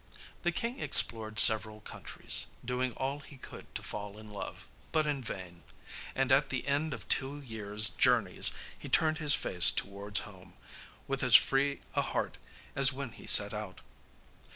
The king explored several countries, doing all he could to fall in love, but in vain; and at the end of two years' journeys he turned his face towards home, with as free a heart as when he set out.